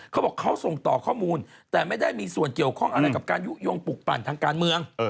เขาบอกเขาส่งต่อข้อมูลแต่ไม่ได้มีส่วนเกี่ยวข้องอะไรกับการยุโยงปลูกปั่นทางการเมือง